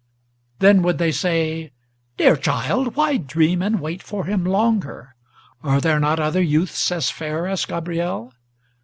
Then would they say: "Dear child! why dream and wait for him longer? Are there not other youths as fair as Gabriel?